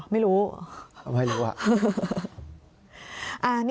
ไม่รู้เลย